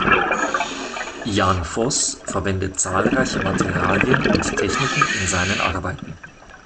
Jan Voss verwendet zahlreiche Materialien und Techniken in seinen Arbeiten.